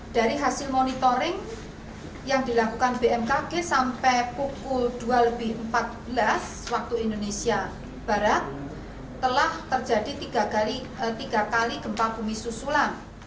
dari hasil monitoring yang dilakukan bmkg sampai pukul dua lebih empat belas waktu indonesia barat telah terjadi tiga kali gempa bumi susulan